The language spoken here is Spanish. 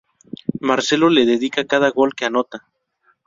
Marcelo le dedica cada gol que anota.